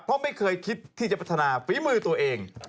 เพราะไม่เคยคิดที่จะพัฒนาฝีมือตัวเอง